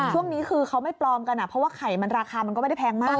ช่วงนี้คือเขาไม่ปลอมกันเพราะว่าไข่มันราคามันก็ไม่ได้แพงมาก